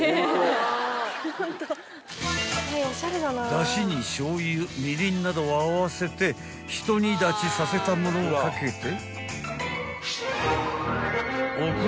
［だしにしょうゆみりんなどを合わせて一煮立ちさせたものを掛けて］